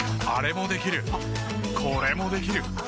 あれもできるこれもできる。